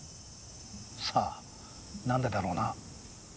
さあなんでだろうな。